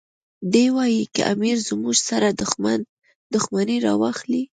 دی وایي که امیر زموږ سره دښمني راواخلي.